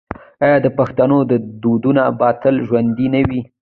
آیا د پښتنو دودونه به تل ژوندي نه وي؟